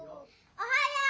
おはよう！